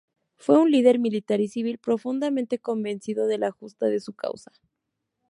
Fue un líder militar y civil profundamente convencido de lo justa de su causa.